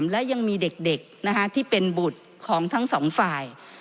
และยังมีเด็กที่เป็นบุตรของทั้งสองฝ่าย